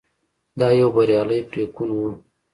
دا یو بریالی پرېکون و.